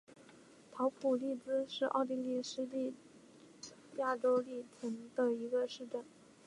陶普利茨是奥地利施蒂利亚州利岑县的一个市镇。